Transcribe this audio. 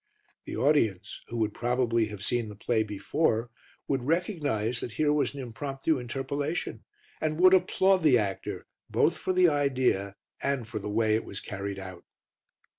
The audience, who would probably have seen the play before, would recognize that here was an impromptu interpolation, and would applaud the actor both for the idea and for the way it was carried out.